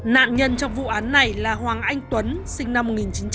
nạn nhân trong vụ án này là hoàng anh tuấn sinh năm một nghìn chín trăm tám mươi